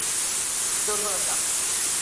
Torba de cap.